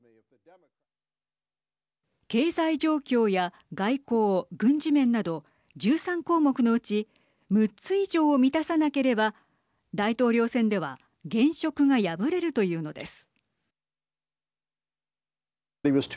経済状況や外交、軍事面など１３項目のうち６つ以上を満たさなければ大統領選では現職が敗れるというのです。